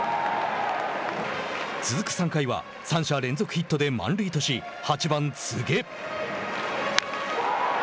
続く３回は、３者連続ヒットで満塁とし、８番、柘植。